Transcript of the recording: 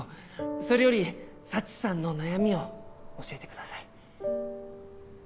それより佐知さんの悩みを教えてください。